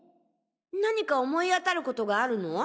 何か思い当たることがあるの？